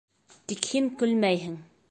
Тик һин көлмәйһең!